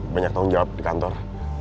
banyak tanggung jawab di kantor